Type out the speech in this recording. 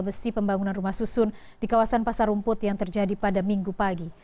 besi pembangunan rumah susun di kawasan pasar rumput yang terjadi pada minggu pagi